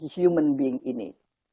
human being ini